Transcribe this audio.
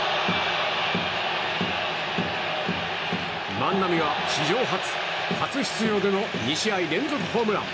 万波は史上初、初出場での２試合連続ホームラン。